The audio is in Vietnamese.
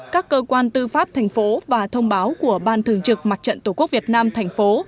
các cơ quan tư pháp thành phố và thông báo của ban chủ tịch